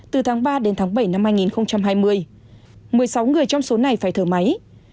từ tháng ba đến tháng bảy năm hai nghìn hai mươi một mươi sáu người trong số này phải thở máy